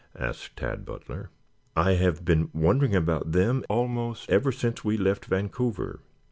asked Tad Butler. "I have been wondering about them almost ever since we left Vancouver.